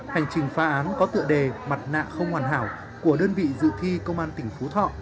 hành trình phá án có tựa đề mặt nạ không hoàn hảo của đơn vị dự thi công an tỉnh phú thọ